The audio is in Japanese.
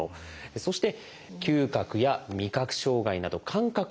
そして嗅覚や味覚障害など感覚の異常。